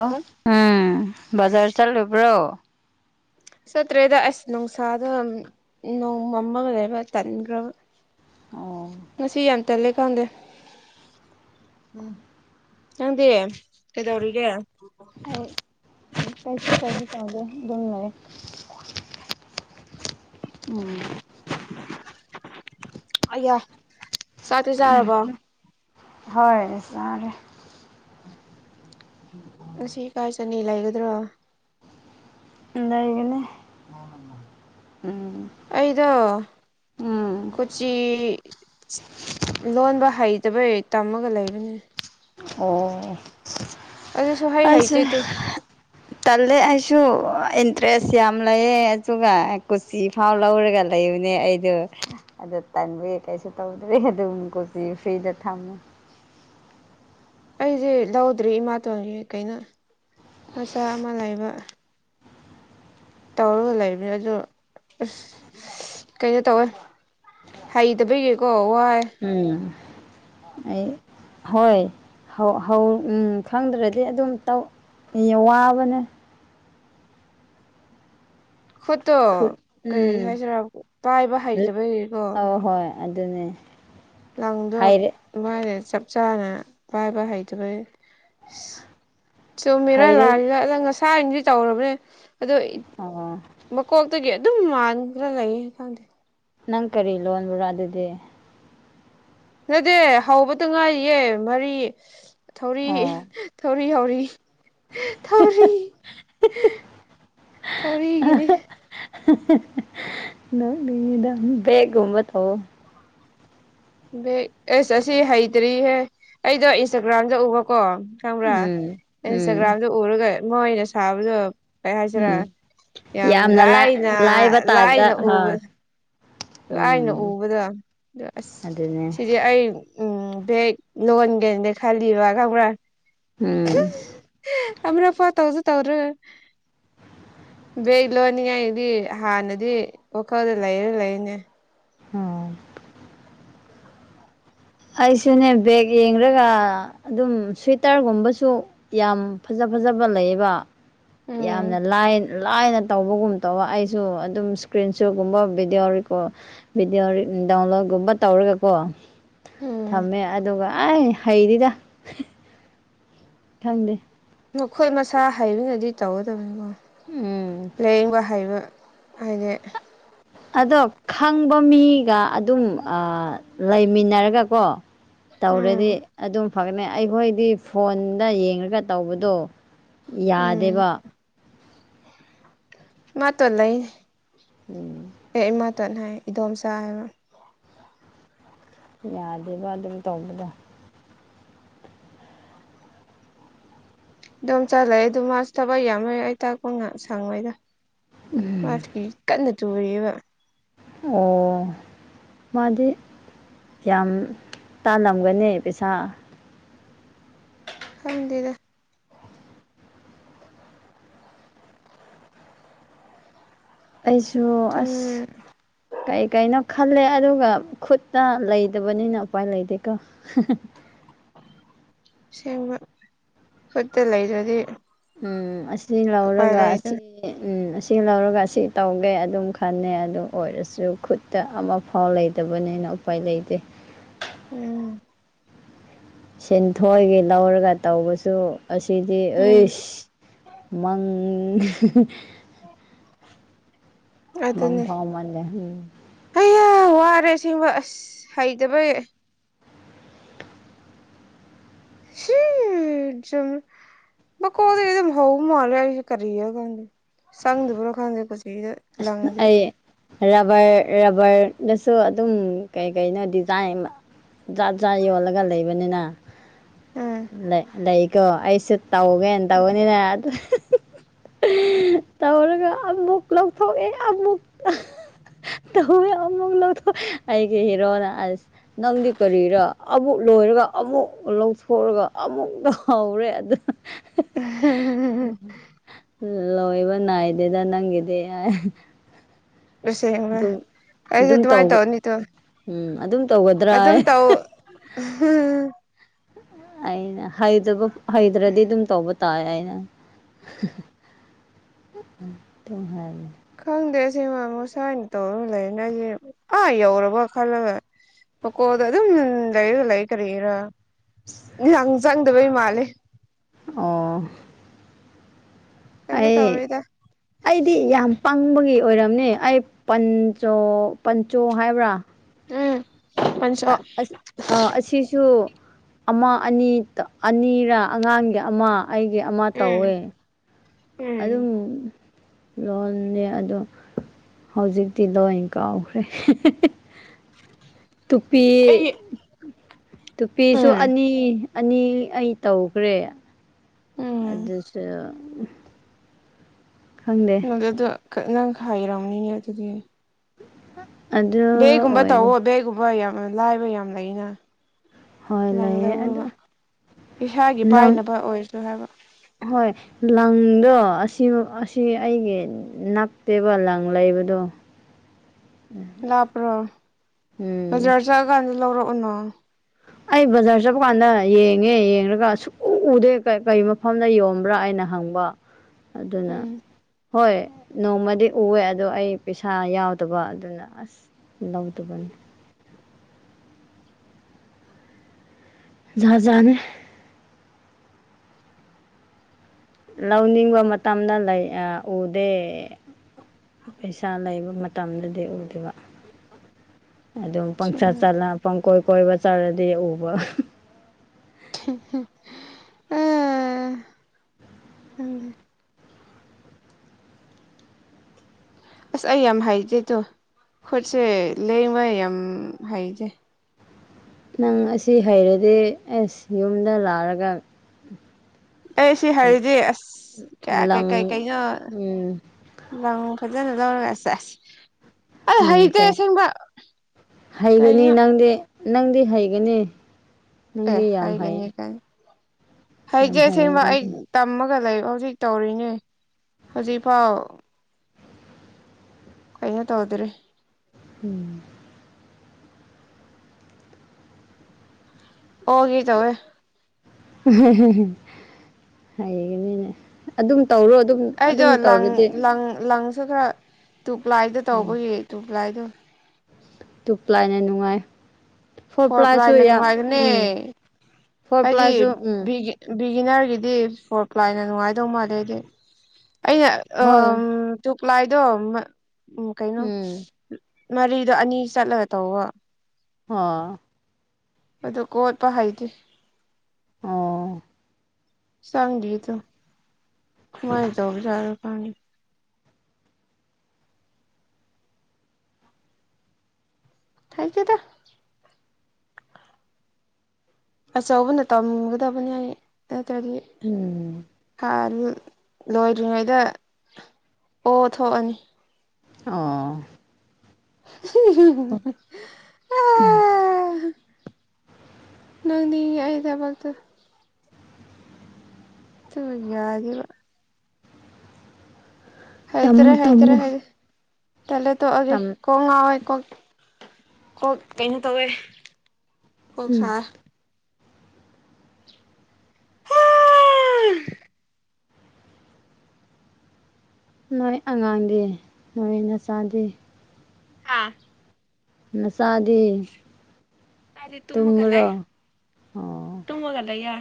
hello ꯎꯝ ꯕꯖꯥꯔ ꯆꯠꯂꯨꯕ꯭ꯔꯣ ꯆꯠꯇ꯭ꯔꯦꯗ ꯑꯁ ꯅꯨꯡꯁꯥꯗ ꯅꯣꯡꯃꯝꯃꯒ ꯂꯩꯕ ꯇꯟꯈ꯭ꯔꯕ ꯑꯣ ꯉꯁꯤ ꯌꯥꯝ ꯇꯜꯂꯦ ꯈꯪꯗꯦ ꯎꯝ ꯅꯪꯗꯤ ꯀꯩꯗꯧꯔꯤꯒꯦ ꯑꯩ ꯎꯝ ꯀꯩꯁꯨ ꯀꯩꯁꯨ ꯇꯧꯗꯦ ꯑꯗꯨꯝ ꯂꯩꯌꯦ [unintelligible] ꯎꯝ [unintelligible] ꯆꯥꯛꯇꯤ ꯆꯥꯔꯕꯣ [unintelligible] ꯍꯣꯏ ꯆꯥꯔꯦ [unintelligible] ꯉꯁꯤ [unintelligible] ꯆꯅꯤ ꯂꯩꯒꯗ꯭ꯔꯣ ꯂꯩꯒꯅꯤ ꯎꯝ ꯑꯩꯗꯣ ꯎꯝ ꯀꯣꯆꯤ ꯂꯣꯟꯕ ꯍꯩꯇꯕꯩ ꯇꯝꯃꯒ ꯂꯩꯕꯅꯦ ꯑꯣ ꯑꯗꯨꯁꯨ ꯍꯩ ꯑꯩꯁꯦ ꯍꯩꯇꯦ ꯇꯨ ꯇꯜꯂꯦ ꯑꯩꯁꯨ ꯏꯟꯇꯔꯦꯁ ꯌꯥꯝ ꯂꯩꯌꯦ ꯑꯗꯨꯒ ꯁꯨꯇꯤ ꯐꯥꯎ ꯂꯧꯔꯒ ꯂꯩꯕꯅꯦ ꯑꯩꯗꯣ ꯑꯗꯣ ꯇꯟꯕꯩ ꯀꯩꯁꯨ ꯇꯧꯗ꯭ꯔꯦ ꯑꯗꯨꯝ ꯀꯣꯆꯤ ꯐ꯭ꯔꯤꯗ ꯊꯝꯃꯦ ꯑꯩꯁꯦ ꯂꯧꯗ꯭ꯔꯤ ꯏꯃꯥꯇꯣꯟꯁ ꯀꯩꯅꯣ ꯃꯆꯥ ꯑꯃ ꯂꯩꯕ ꯇꯧꯔꯒ ꯂꯩꯕꯅꯤ ꯑꯗꯨꯗꯣ ꯑꯁ ꯀꯩꯅꯣ ꯇꯧꯋꯦ ꯍꯩꯇꯕꯩꯒꯤꯀꯣ ꯋꯥꯏ ꯎꯝ ꯑꯩ ꯍꯣꯏ ꯍꯧ ꯈꯪꯗ꯭ꯔꯗꯤ ꯑꯗꯨꯝꯧ ꯋꯥꯕꯅꯦ ꯈꯨꯣꯠꯇꯣ ꯈꯨꯠ ꯀꯩ ꯎꯝ ꯍꯥꯏꯁꯤꯔꯥ ꯄꯥꯏꯕ ꯍꯩꯖꯕꯒꯤꯀꯣ ꯑꯗꯨꯅꯤ ꯂꯪꯗꯣ ꯋꯥꯏꯔꯦ ꯆꯞ ꯆꯥꯅ ꯄꯥꯏꯕ ꯍꯩꯗꯕꯩ ꯆꯣꯃꯦꯔꯥ ꯍꯩꯔꯦ ꯂꯥꯜꯂꯤꯒ ꯑꯗ ꯉꯁꯥꯔꯤꯅꯗꯤ ꯇꯧꯔꯕꯅꯦ ꯑꯗꯣ [unintelligible] ꯃꯀꯣꯛꯇꯒꯤ ꯑꯗꯨꯝ ꯃꯥꯟꯈ꯭ꯔ ꯂꯩꯌꯦ ꯈꯪꯗꯦ ꯅꯪ ꯀꯔꯤ ꯂꯣꯟꯕ꯭ꯔꯣ ꯑꯗꯨꯗꯤ ꯅꯗꯦ ꯍꯧꯕꯗ ꯉꯥꯏꯌꯦ ꯃꯔꯤ ꯊꯧꯔꯤ ꯑꯣ [unintelligible] ꯊꯧꯔꯤ ꯊꯧꯔꯤꯒꯤꯅꯤ ꯅꯗꯥꯒꯨꯝꯕ ꯊ ꯑꯦꯁ ꯑꯁꯤ ꯍꯩꯇ꯭ꯔꯤꯍꯦ ꯑꯩꯗꯣ ꯏꯟꯁꯇꯥꯒ꯭ꯔꯥꯝꯗ ꯎꯕꯀꯣ ꯈꯪꯕ꯭ꯔꯥ ꯎꯝ ꯎꯝ ꯏꯟꯁꯇꯥꯒ꯭ꯔꯥꯝꯗ ꯎꯔꯒ ꯃꯣꯏꯅ ꯁꯥꯕꯗꯣ ꯀꯩ ꯍꯥꯏꯁꯤꯔ ꯎꯝ ꯌꯥꯝ ꯌꯥꯝꯅ ꯂꯥꯏ ꯂꯥꯏꯅ ꯂꯥꯏꯕ ꯇꯥꯏꯞꯇ ꯂꯥꯏꯅ ꯎꯕ ꯍꯣꯏ ꯂꯥꯏꯅ ꯎꯝ ꯎꯕꯗꯣ ꯑ ꯑꯁ ꯑꯗꯨꯅꯦ ꯁꯤꯗꯤ ꯑꯩ ꯎꯝ ꯕꯦꯛ ꯂꯣꯟꯒꯦꯅꯗ ꯈꯜꯂꯤꯕ ꯀꯪꯕ꯭ꯔꯥ ꯎꯝ [unintelligible] ꯕꯦꯛ ꯂꯣꯟꯅꯤꯡꯉꯥꯏꯗꯤ ꯍꯥꯟꯅꯗꯤ ꯋꯥꯈꯜꯗ ꯂꯩꯔꯦ ꯂꯩꯔꯅꯦ ꯎ [unintelligible] [inaudible] ꯑꯣ ꯑꯩꯁꯨꯅꯦ ꯕꯦꯦꯛ ꯌꯦꯡꯒ ꯑꯗꯨꯝ ꯁ꯭ꯋꯤꯇꯔꯒꯨꯝꯕꯁꯨ ꯌꯥꯝ ꯐꯖ ꯐꯖꯕ ꯂꯩꯌꯦꯕ ꯎꯝ ꯌꯥꯝꯅ ꯂꯥꯏꯟ ꯂꯥꯏꯅ ꯇꯧꯕꯒꯨꯝ ꯇꯧꯕ ꯑꯩꯁꯨ ꯑꯗꯨꯝ ꯏꯁꯀ꯭ꯔꯤꯟ ꯁꯣꯠꯀꯨꯝꯕ ꯚꯤꯗꯤꯑꯣ ꯦꯀꯣꯔ ꯚꯗꯤꯑꯣ ꯗꯗꯥꯎꯟꯂꯣꯗꯒꯨꯝꯕ ꯇꯧꯔꯒꯀꯣ ꯎꯝ ꯊꯝꯃꯦ ꯑꯗꯨꯒ ꯑꯩ ꯍꯩꯗꯤꯗ ꯈꯪꯗꯦ ꯃꯈꯣꯏ ꯃꯁꯥ ꯍꯩꯕꯅꯗꯤ ꯇꯧꯒꯗꯕꯅꯤꯀꯣ ꯎꯝ ꯂꯥꯏꯌꯦꯡꯕ ꯍꯩꯕ ꯑꯅꯦ [inaudible] ꯑꯗꯣ ꯈꯪꯕ ꯃꯤꯒ ꯑꯗꯨꯝ ꯂꯩꯃꯤꯟꯅꯔꯒ ꯀꯣ ꯎꯝ ꯇꯧꯔꯗꯤ ꯑꯗꯨꯝ ꯐꯒꯠꯅꯤ ꯑꯩꯈꯣꯏꯗꯤ ꯐꯣꯟꯗ ꯌꯦꯡꯉꯒ ꯇꯧꯕꯗꯣ ꯎꯝ ꯌꯥꯗꯦꯕ [unintelligible] ꯎꯝ ꯑꯦ ꯏꯃꯥꯇꯠ ꯍꯥꯏ ꯏꯗꯣꯝꯆꯥ ꯍꯥꯏꯕ ꯌꯥꯗꯦꯕ ꯑꯗꯨ ꯇꯧꯕꯗꯣ ꯑꯗꯨꯝ ꯆꯠꯂꯛꯑꯦ ꯑꯗꯨ ꯃꯥꯁ ꯊꯕꯛ ꯌꯥꯝꯃ ꯑꯩ ꯇꯥꯛꯄ ꯉꯥꯏꯍꯥꯛ ꯁꯪꯉꯣꯏꯗꯈꯤ ꯀꯟꯅ ꯇꯨꯔꯤꯕ ꯑꯣ ꯃꯥꯗꯤ ꯌꯥꯝ ꯇꯥꯂꯝꯒꯅꯤ ꯄꯩꯁꯥ ꯈꯪꯗꯦꯗ ꯑꯩꯁꯨ ꯑꯁ ꯎꯝ ꯀꯩ ꯀꯩꯅꯣ ꯈꯜꯂꯦ ꯑꯗꯨꯒ ꯈꯨꯠꯇ ꯂꯩꯇꯕꯅꯤꯅ ꯎꯄꯥꯏ ꯂꯩꯇꯦꯀꯣ [unintelligible] ꯁꯤꯕ ꯐꯠꯇ ꯂꯩꯖꯗꯤ ꯎꯝ ꯑꯁꯤ ꯂꯧꯔꯒ ꯑꯁꯤ ꯎꯝ ꯑꯁꯤ ꯂꯧꯔꯒ ꯑꯁꯤ ꯇꯧꯒꯦ ꯑꯗꯨꯝ ꯈꯟꯅꯦ ꯑꯗꯨ ꯑꯣꯏꯔꯁꯨ ꯈꯨꯠꯇ ꯑꯃꯐꯥꯎ ꯂꯩꯇꯕꯅꯤꯅ ꯎꯄꯥꯏ ꯂꯩꯗꯦ ꯎꯝ ꯁꯦꯟꯊꯣꯏꯒꯤ ꯂꯧꯔꯒ ꯇꯧꯕꯁꯨ ꯑꯁꯤꯗꯤ ꯎꯝ ꯑꯩꯁ ꯃꯪ [unintelligible] ꯑꯗꯨꯅꯦ ꯃꯪꯐꯥꯎꯃꯜꯂꯦ ꯎꯝ [unintelligible] ꯋꯥꯔꯦ ꯑꯁꯦꯡꯕ ꯍꯩꯇꯕꯩ [unintelligible] ꯃꯀꯣꯛꯗꯩ ꯗꯨꯝ ꯍꯧꯃꯥꯜꯂꯦ ꯑꯩꯁꯤ ꯀꯔꯤꯔ ꯈꯪꯗꯦ ꯆꯪꯗꯕꯔ ꯈꯪꯗꯦ [unintelligible] ꯑꯁ ꯑꯩ ꯔꯕꯔ ꯔꯕꯔꯗꯁꯨ ꯑꯗꯨꯝ ꯀꯩ ꯀꯩꯅꯣ ꯗꯤꯖꯥꯏꯟ ꯖꯥꯠ ꯖꯥꯠ ꯌꯣꯜꯂꯒ ꯂꯩꯕꯅꯤꯅ ꯎꯝ ꯂꯩ ꯂꯩꯀꯣ ꯑꯩꯁꯨ ꯇꯧꯒꯦꯅ ꯇꯧꯕꯅꯤꯅ ꯑꯗꯨ [unintelligible] ꯇꯧꯔꯒ ꯑꯃꯨꯛ ꯂꯧꯊꯣꯛꯑꯦ ꯑꯃꯨꯛ ꯇꯧꯋꯦ ꯑꯃꯨꯛ ꯂꯧꯊꯣꯛ ꯑꯩꯒꯤ ꯍꯤꯔꯣꯅ ꯑꯁ ꯅꯪꯗꯤ ꯀꯔꯤꯔꯥ ꯑꯃꯨꯛ ꯂꯣꯏꯔꯒ ꯑꯃꯨꯛ ꯂꯧꯊꯣꯛꯑꯒ ꯑꯃꯨꯛ ꯍꯥꯎꯔꯦ ꯑꯗꯨ ꯂꯣꯏꯕ ꯅꯥꯏꯗꯦꯗ ꯅꯪꯒꯤꯗꯤ ꯂꯁꯦꯡꯕ ꯑꯗꯨꯝ ꯑꯩꯁꯨ ꯑꯗꯨꯝ ꯑꯗꯨꯃꯥꯏꯅ ꯇꯧꯕ ꯇꯧꯅꯤꯗꯣ ꯎꯝ ꯑꯗꯨꯝ ꯇꯧꯒꯗ꯭ꯔꯥ ꯑꯗꯨꯝ ꯇꯧ ꯎꯝ [inaudible] [unintelligible] ꯑꯩꯅ ꯍꯩꯗ꯭ꯔꯗꯤ ꯑꯗꯨꯝ ꯇꯧꯕ ꯇꯥꯏꯅ ꯍꯥꯏ [unintelligible] ꯈꯪꯗꯦ ꯁꯤꯃ ꯃꯣꯁꯥꯏꯅ ꯇꯧꯔꯒ ꯂꯩꯔꯅ ꯑꯩꯁ ꯑꯥ ꯌꯧꯔꯕ ꯈꯜꯂꯒ ꯃꯀꯣꯗ ꯑꯗꯨꯝ ꯂꯩꯔꯒ ꯂꯩ ꯀꯔꯤꯔ ꯏꯟꯁꯥꯡ ꯆꯪꯗꯕꯩ ꯃꯥꯜꯂꯦ ꯑ ꯀꯩꯝꯇ ꯑꯩ ꯇꯧꯔꯣꯏꯗ ꯑꯩꯗꯤ ꯌꯥꯝ ꯄꯪꯕꯒꯤ ꯑꯣꯏꯔꯝꯅꯤ ꯑꯩ ꯄꯟ ꯄꯟꯆꯣ ꯍꯥꯏꯕ꯭ꯔꯥ ꯎꯝ ꯄꯟꯆꯣ ꯑ ꯑꯁꯤꯁꯨ ꯑꯃ ꯑꯅꯤ ꯑꯅꯤꯔ ꯑꯉꯥꯡꯒꯤ ꯑꯃ ꯑꯩꯒꯤ ꯑꯃ ꯎꯝ ꯇꯧꯋꯦ ꯎꯝ ꯑꯗꯨꯝ ꯂꯣꯟꯅꯦ ꯑꯣ ꯍꯧꯖꯤꯛꯇꯤ ꯂꯣꯏ ꯀꯥꯎꯈ꯭ꯔꯦ ꯇꯨꯄꯤ ꯑꯩ ꯇꯨꯄꯤꯁꯨ ꯎꯝ ꯑꯅꯤ ꯑꯅꯤ ꯑꯩ ꯇꯧꯈ꯭ꯔꯦ ꯎꯝ ꯑꯗꯨꯁꯨ ꯈꯪꯅꯦ ꯑꯗꯨꯗꯣ ꯅꯪ ꯍꯥꯏꯥꯏ꯭ꯔꯔꯕꯅꯤꯅꯦ ꯑꯗꯨꯗꯤ [unintelligible] ꯕꯦꯒꯨꯝꯕ ꯑꯣꯏꯔ ꯇꯧꯑꯣ ꯕꯦꯒꯨꯝꯕ ꯌꯥꯝ ꯂꯥꯏꯕ ꯌꯥꯝ ꯂꯩꯅ ꯍꯣꯏ ꯂꯪ ꯂꯩꯌꯦ ꯑꯗꯨ ꯂꯧꯔꯕ ꯏꯁꯥꯒꯤ ꯂꯪ ꯄꯥꯏꯅꯕ ꯑꯣꯏꯔꯁꯨ ꯍꯥꯏꯕ ꯍꯣꯏ ꯂꯪꯗꯣ ꯑꯁꯤ ꯑꯁꯤ ꯑꯩꯒꯤ ꯅꯞꯇꯦꯕ ꯂꯪ ꯂꯩꯕꯗꯣ ꯂꯥꯞꯄ꯭ꯔꯣ ꯎꯝ ꯕꯖꯥꯔ ꯆꯠꯂꯀꯥꯟꯗ ꯂꯧꯔꯛꯎꯅꯣ ꯑꯩ ꯕꯖꯥꯔ ꯆꯠꯄ ꯀꯥꯟꯗ ꯌꯦꯡꯉꯦ ꯌꯦꯡꯉꯒ ꯑꯁꯨꯛ ꯎ ꯎꯗꯦ ꯀꯔꯤ ꯃꯐꯝꯗ ꯌꯣꯟꯝꯕ꯭ꯔꯥ ꯍꯥꯏꯅ ꯍꯪꯕ ꯑꯗꯨꯅ ꯎꯝ ꯍꯣꯏ ꯅꯣꯡꯃꯗꯤ ꯎꯑꯦ ꯑꯗꯣ ꯑꯩ ꯄꯩꯁꯥ ꯌꯥꯎꯗꯕ ꯑꯗꯨꯅ ꯑꯁ ꯂꯧꯗꯕꯅꯤ ꯖꯥꯖꯥꯅꯤ ꯂꯧꯅꯤꯡꯕ ꯃꯇꯝꯗ ꯂꯩ ꯎꯗꯦ ꯄꯩꯁꯥ ꯂꯩꯕ ꯃꯇꯝꯗꯗꯤ ꯎꯗꯦꯕ ꯑꯗꯨꯝ ꯄꯪꯁ ꯄꯪꯀꯣꯏ ꯀꯣꯏꯕ ꯆꯠꯂꯗꯤ ꯎꯕ [unintelligible] [unintelligible] ꯑꯁ ꯑꯩ ꯌꯥꯝ ꯍꯥꯏꯖꯦꯗꯣ ꯈꯨꯠꯁꯦ ꯂꯦꯡꯕ ꯌꯥꯝ ꯍꯥꯏꯖꯩ ꯅꯪ ꯑꯁꯤ ꯍꯩꯔꯗꯤ ꯑꯁ ꯌꯨꯝꯗ ꯂꯥꯛꯔꯒ ꯑꯩ ꯁꯤ ꯍꯥꯏꯔꯤꯗꯤ ꯑꯁ ꯀꯌꯥ ꯀꯩ ꯀꯩ ꯂꯪ ꯀꯩꯅꯣ ꯎꯝ ꯂꯪ ꯐꯖꯅ ꯂꯧꯔꯒ ꯁꯦꯁ ꯎꯝ ꯇꯣ ꯍꯩꯒꯅꯤ ꯀꯩꯅꯣ ꯅꯪꯗꯤ ꯅꯪꯗꯤ ꯍꯩꯒꯅꯤ ꯑꯦ ꯅꯪꯗꯤ ꯌꯥꯝ ꯍꯩ ꯍꯥꯏꯒꯅꯤ ꯀꯅꯤ ꯌꯥꯝ ꯍꯩꯌꯦ ꯍꯥꯏꯖꯁꯦꯡꯕ ꯑꯩ ꯅꯪꯗꯤ ꯇꯝꯃꯒ ꯂꯩꯔꯣ ꯍꯧꯖꯤꯛ ꯇꯧꯔꯤꯅꯦ ꯍꯧꯖꯤꯛꯐꯥꯎ ꯀꯩꯅꯣ ꯇꯧꯗ꯭ꯔꯤ ꯎꯝ ꯑꯣꯒꯦ ꯇꯧꯋꯦ [unintelligible] ꯍꯩꯒꯅꯤꯅꯦ ꯑꯗꯨꯝ ꯇꯧꯔꯣ ꯑꯗꯨꯝ ꯑꯩꯗꯣ ꯑꯗꯨꯝ ꯂꯪ ꯇꯧꯔꯗꯤ ꯂꯪ ꯂꯪꯁꯨ ꯈꯔ ꯇꯨ ꯄ꯭ꯂꯥꯏꯗ ꯎꯝ ꯇꯧꯕꯒꯤ ꯇꯨ ꯄ꯭ꯂꯥꯏꯗꯣ ꯇꯨ ꯄ꯭ꯂꯥꯏꯅ ꯅꯨꯡꯉꯥꯏ ꯐꯣꯔ ꯄ꯭ꯂꯥꯏꯁꯨ ꯄ꯭ꯂꯥꯏꯅ ꯌꯥꯝ ꯅꯨꯡꯉꯥꯏꯒꯅꯤ ꯎꯝ ꯐꯣꯔ ꯍꯥꯏꯗꯤ ꯄ꯭ꯂꯥꯏꯁꯨ ꯎꯝ ꯕꯤꯒꯤ ꯕꯤꯒꯤꯅꯔꯒꯤꯗꯤ ꯐꯣꯔ ꯄ꯭ꯂꯥꯏꯅ ꯅꯨꯡꯉꯥꯏꯗꯧ ꯃꯥꯜꯂꯦ ꯍꯥꯏꯗꯤ ꯑꯩꯅ ꯑꯝ ꯍꯣꯏ ꯇ꯭ꯋꯨ ꯄ꯭ꯂꯥꯏꯗꯣ ꯎꯝ ꯀꯩꯩꯅꯣ ꯎꯝ ꯃꯔꯤꯗꯣ ꯑꯅꯤ ꯆꯠꯂꯒ ꯇꯧꯕ ꯑꯣ ꯑꯗꯨ ꯀꯣꯠꯄ ꯍꯩꯗꯦ ꯑꯣ ꯆꯪꯗ꯭ꯔꯤꯗ ꯀꯃꯥꯏ ꯇꯧꯕꯖꯥꯠꯔꯣ ꯈꯪꯗꯦ ꯍꯩꯇꯦꯗ ꯑꯆꯧꯕꯅ ꯇꯝꯒꯗꯕꯅꯤ ꯑꯩ ꯅꯠꯇ꯭ꯔꯗꯤ ꯎꯝ ꯑ ꯑꯗꯨꯝ ꯂꯣꯏꯗ꯭ꯔꯤꯉꯩꯗ ꯑꯣ ꯊꯣꯛꯑꯅꯤ ꯑꯣ [unintelligible] ꯅꯪꯅꯤ ꯑꯩ ꯊꯕꯛꯇꯨ [unintelligible] ꯌꯥꯒꯤꯔꯣꯏ ꯍꯩꯇ꯭ꯔꯦ ꯇꯝꯃꯣ ꯍꯩꯇ꯭ꯔꯦ ꯇꯝꯃꯣ ꯍꯥꯏ ꯇꯂꯦ ꯇꯣꯛꯑꯒꯦ ꯇꯝ ꯀꯣꯛ ꯉꯥꯎꯋꯦ ꯀꯣꯛ ꯀꯣꯛ ꯀꯩꯅꯣ ꯇꯧꯋꯦ ꯀꯣꯛ ꯎꯝ ꯁꯥꯢ ꯅꯣꯏ ꯑꯉꯥꯡꯗꯤ ꯅꯣꯏ ꯅꯆꯥꯗꯤ ꯍꯥ ꯅꯆꯥꯗꯤ ꯑꯩꯗꯤ ꯇꯨꯝꯃꯒ ꯂꯩ ꯇꯨꯝꯕ꯭ꯔꯣ ꯑꯣ ꯇꯨꯝꯃꯒꯂꯩ ꯌꯥ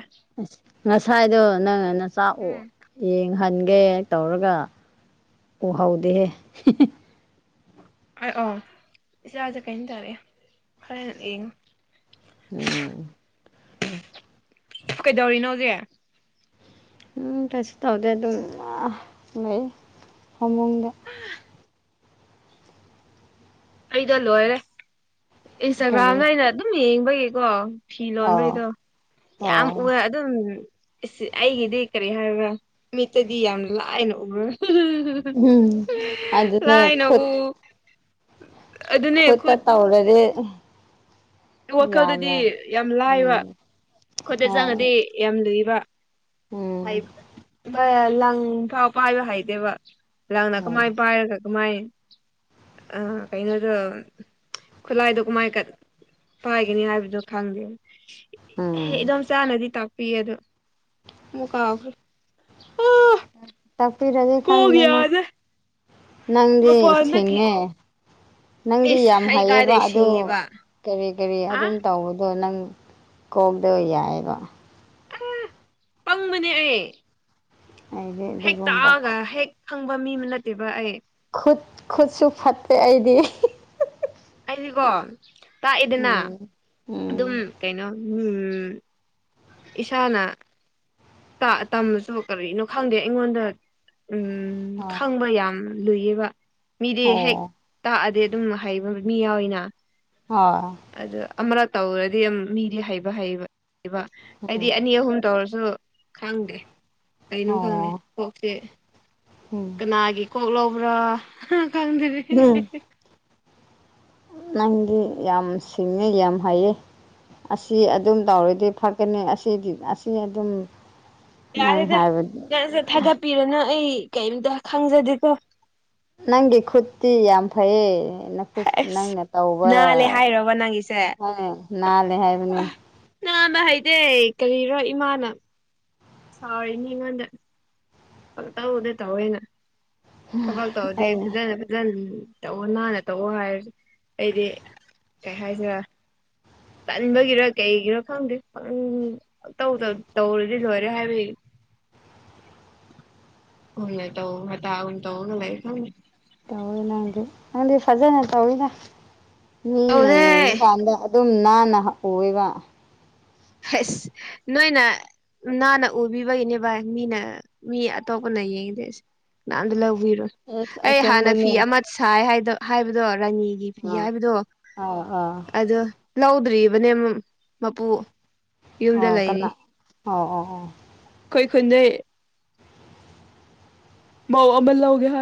ꯉꯁꯥꯏꯗꯣ ꯅꯪ ꯅ ꯅꯆꯥ ꯑꯣ ꯎꯝ ꯌꯦꯡꯍꯟꯒꯦ ꯇꯧꯔꯒ ꯎꯍꯧꯗꯦꯍꯦ [unintelligible] ꯑꯣ ꯏꯆꯥꯁꯦ ꯀꯩꯅꯣ ꯇꯧꯔꯦ ꯍꯣꯔꯣꯟ ꯌꯦꯡꯉꯣ ꯎꯝ ꯎꯝ ꯀꯩꯗꯧꯔꯤꯅꯣ ꯍꯧꯖꯤꯛ ꯀꯩꯁꯨ ꯇꯧꯗꯦ ꯑꯗꯨꯝ ꯂꯩ ꯐꯃꯨꯡꯗ ꯑꯩꯗꯣ ꯂꯣꯏꯔꯦ ꯏꯟꯁꯇꯥꯒ꯭ꯔꯥꯝꯗ ꯀꯔꯤ ꯑꯩꯅ ꯑꯗꯨꯝ ꯌꯦꯡꯕꯒꯤꯀꯣ ꯐꯤ ꯑꯣ ꯂꯣꯟꯕꯩꯗꯣ ꯌꯥꯝ ꯑꯣ ꯎꯑꯦ ꯑꯗꯨꯝ ꯏꯁ ꯑꯩꯒꯤꯗꯤ ꯀꯔꯤ ꯍꯥꯏꯕ꯭ꯔꯥ ꯃꯤꯠꯇꯗꯤ ꯌꯥꯝꯅ ꯂꯥꯏꯅ ꯎꯔꯒ ꯎꯝ [unintelligible] [unintelligible] ꯑꯗꯨꯅꯦ ꯂꯥꯏꯅ ꯎ ꯈꯨꯠ ꯑꯗꯨꯅꯦ ꯈꯨꯠꯇ ꯈꯨꯠ ꯇꯧꯔꯗꯤ ꯗꯨ ꯋꯥꯈꯜꯗꯗꯤ ꯌꯥꯝꯅ ꯌꯥꯝ ꯂꯥꯏꯕ ꯎꯝ ꯈꯨꯠꯇ ꯍꯣꯏ ꯆꯥꯡꯉꯗꯤ ꯌꯥꯝ ꯂꯨꯌꯦꯕ ꯎꯝ [unintelligible] ꯂꯪ ꯀꯥꯞ ꯄꯥꯏꯕ ꯍꯩꯗꯦꯕ ꯂꯪꯅ ꯍꯣꯏ ꯀꯃꯥꯏ ꯄꯥꯏꯔꯒ ꯀꯃꯥꯏ ꯑ ꯀꯩꯅꯣꯗꯨ ꯈꯨꯠꯂꯥꯏꯗꯣ ꯀꯃꯥꯏ ꯀꯠ ꯄꯥꯏꯒꯅꯤ ꯍꯥꯏꯕꯗꯣ ꯈꯪꯗꯦ ꯎꯝ ꯏꯗꯣꯝ ꯆꯥꯅꯗꯤ ꯇꯥꯛꯄꯤꯌꯦ ꯑꯗꯣ ꯃꯨꯀ [unintelligible] ꯇꯥꯛꯄꯤꯔꯗꯤ ꯈꯪꯅꯤꯅ ꯅꯪꯗꯤ ꯃꯄꯥꯟꯗꯒꯤ ꯁꯤꯡꯉꯦ ꯅꯪꯗꯤ ꯏꯁ ꯌꯥꯝ ꯑꯩ ꯍꯩꯌꯦꯕ ꯀꯥꯏꯗꯩ ꯑꯗꯨ ꯁꯤꯡꯉꯤꯕ ꯀꯔꯤ ꯀꯔꯤ ꯍꯥ ꯑꯗꯨꯝ ꯇꯧꯕꯗꯣ ꯅꯪ ꯀꯣꯛꯗꯕ ꯌꯥꯏꯑꯕ ꯑꯝ ꯄꯪꯕꯅꯦ ꯑꯩ ꯑꯩꯗꯤ ꯍꯦꯛ ꯑꯗꯨꯒꯒꯨꯝꯕꯥ ꯇꯥꯛꯑꯒ ꯍꯦꯛ ꯈꯪꯕ ꯃꯤ ꯑꯃ ꯅꯠꯇꯦꯕ ꯑꯩ ꯈꯨꯠ ꯈꯨꯠꯁꯨ ꯐꯠꯇꯦ ꯑꯩꯗꯤ ꯑꯩꯗꯤꯀꯣ ꯇꯥꯛꯑꯦꯗꯅ ꯎꯝ ꯑꯗꯨꯝ ꯎꯝ ꯀꯩꯅꯣ ꯎꯝ ꯏꯁꯥꯅ ꯇꯝꯃꯁꯨ ꯀꯔꯤꯅꯣ ꯈꯪꯗꯦ ꯑꯩꯉꯣꯟꯗ ꯎꯝ ꯑꯥ ꯈꯪꯕ ꯌꯥꯝ ꯂꯨꯏꯌꯦꯕ ꯃꯤꯗꯤ ꯍꯦꯛ ꯑꯣ ꯇꯥꯛꯑꯗꯤ ꯑꯗꯨꯝ ꯍꯥꯏꯕ ꯃꯤ ꯌꯥꯎꯋꯦꯗꯅ ꯍꯣꯏ ꯑꯗꯨ ꯑꯃꯔꯛ ꯇꯧꯔꯗꯤ ꯑꯗꯨꯝ ꯃꯤꯗꯤ ꯍꯩꯕ ꯍꯩꯕ ꯍꯩꯕ ꯑꯩꯗꯤ ꯎꯝ ꯑꯅꯤ ꯑꯍꯨꯝ ꯇꯧꯔꯁꯨ ꯈꯪꯗꯦ ꯀꯩꯅꯣ ꯈꯪꯉꯦ ꯑꯣ ꯑꯣꯛꯁꯦ ꯎꯝ ꯅꯥꯒꯤ ꯀꯣꯛ ꯂꯧꯕ꯭ꯔꯥ ꯈꯪꯗ꯭ꯔꯤ ꯎꯝ ꯅꯪꯗꯤ ꯌꯥꯝ ꯁꯤꯡꯉꯦ ꯌꯥꯝ ꯍꯥꯏꯌꯦ ꯑꯁꯤ ꯑꯗꯨꯝ ꯇꯧꯔꯗꯤ ꯐꯀꯅꯤ ꯑꯁꯤꯗꯤ ꯑꯁꯤ ꯑꯗꯨꯝ ꯅꯪ ꯌꯥꯔꯦꯗ ꯍꯥꯏꯕ ꯀꯩꯁꯨ ꯊꯥꯒꯠꯄꯤꯔꯅꯣ ꯑꯩ ꯀꯩꯝꯇ ꯈꯪꯖꯗꯦꯀꯣ ꯅꯪꯒꯤ ꯈꯨꯠꯇꯤ ꯌꯥꯝ ꯐꯩꯌꯦ ꯑꯁ ꯅꯪꯅ ꯇꯧꯕ ꯅꯥꯜꯂꯦ ꯍꯥꯏꯔꯕ ꯅꯪꯒꯤꯁꯦ ꯍꯥꯏ ꯅꯥꯜꯂꯦ ꯍꯥꯏꯕꯅꯤ ꯅꯥꯥꯟꯃ ꯍꯥꯏꯩꯗꯦ ꯀꯔꯤꯔꯣ ꯏꯃꯥꯅ ꯁꯅꯤꯉꯣꯟꯗ ꯇꯧꯗꯤ ꯇꯧꯋꯦꯅ ꯊꯕꯛ ꯇꯧꯗꯤ ꯑꯩ ꯐꯖꯅ ꯐꯖꯅ ꯇꯧꯑꯣ ꯅꯥꯟꯅ ꯇꯧꯑꯣ ꯍꯥꯏꯔ ꯑꯩꯗꯤ ꯀꯩ ꯍꯥꯏꯁꯤꯔ ꯀꯟꯕꯒꯤꯔ ꯀꯩꯒꯤꯔꯥ ꯈꯪꯗꯦ ꯄꯪ ꯇꯧꯗ ꯇꯧꯔꯗꯤ ꯂꯣꯏꯔꯦ ꯍꯥꯏꯕꯒꯤ [unintelligible] [unintelligible] [unintelligible] ꯇꯧꯋꯦ ꯅꯪꯗꯤ ꯅꯪꯗꯤ ꯐꯖꯅ ꯇꯧꯋꯤꯗ ꯃꯤꯅ ꯇꯧꯗꯦ ꯌꯦꯡꯕ ꯀꯥꯟꯗ ꯑꯗꯨꯝ ꯅꯥꯟꯅ ꯑꯣꯏꯕ ꯅꯣꯏꯅ ꯅꯥꯟꯅ ꯎꯕꯤꯕꯒꯤꯅꯦ ꯚꯥꯏ ꯃꯤꯅ ꯃꯤ ꯑꯇꯣꯞꯄꯅ ꯌꯦꯡꯗꯤ ꯑꯁ ꯅꯍꯝꯗ ꯂꯧꯕꯤꯔꯣ ꯑꯦꯁ ꯑꯩ ꯍꯥꯟꯅ ꯐꯤ ꯑꯁꯦꯡꯕꯅꯦ ꯑꯃ ꯁꯥꯏ ꯍꯥꯏꯕꯗꯣ ꯔꯥꯅꯤ ꯐ ꯐꯤꯒꯤ ꯑꯥ ꯍꯥꯏꯕꯗꯣ ꯑꯥ ꯑꯥ ꯑꯗꯣ ꯂꯧꯗ꯭ꯔꯤꯕꯅꯦ ꯃꯄꯨ ꯌꯨꯝꯗ ꯑꯣ ꯂꯩꯔꯤ ꯀꯅꯥ ꯑꯣ ꯑꯣ ꯑꯣ ꯑꯩꯈꯣꯏ ꯈꯨꯟꯗ ꯃꯧ ꯑꯃ ꯂꯧꯒꯦ ꯍꯣꯏ